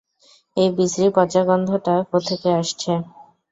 এই বিশ্রী পচা গন্ধটা কোত্থেকে আসছে?